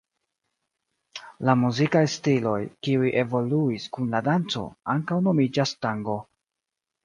La muzikaj stiloj, kiuj evoluis kun la danco, ankaŭ nomiĝas tango.